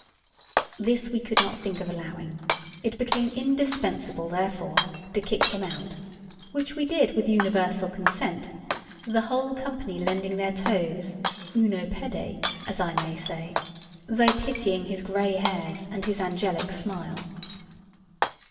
This we could not think of allowing: it became indispensable, therefore, to kick him out, which we did with universal consent, the whole company lending their toes uno pede, as I may say, though pitying his gray hairs and his angelic smile.